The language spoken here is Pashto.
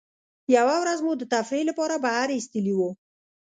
یوه ورځ مو د تفریح له پاره بهر ایستلي وو.